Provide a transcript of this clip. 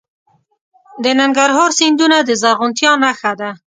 د ننګرهار سیندونه د زرغونتیا نښه ده.